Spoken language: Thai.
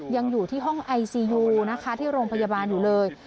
ยังอยู่ที่ห้องไอซียูนะคะที่โรงพยาบาลอยู่เลย